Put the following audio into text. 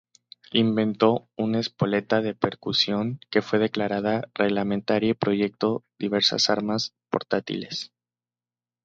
Inventó una espoleta de percusión que fue declarada reglamentaria y proyectó diversas armas portátiles.